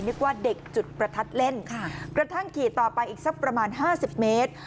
นึกว่าเด็กจุดประทัดเล่นกระทั่งขี่ต่อไปอีกสักประมาณ๕๐เมตร